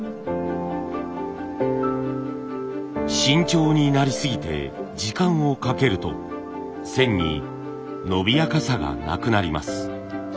慎重になりすぎて時間をかけると線に伸びやかさがなくなります。